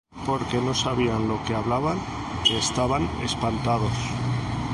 Porque no sabía lo que hablaba; que estaban espantados.